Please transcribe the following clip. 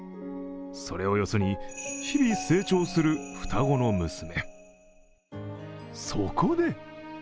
それをよそに日々、成長する双子の娘。